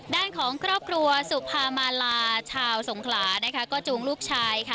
ด้านของครอบครัวสุภามาลาชาวสงขลานะคะก็จูงลูกชายค่ะ